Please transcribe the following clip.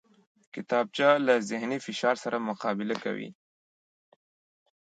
کتابچه له ذهني فشار سره مقابله کوي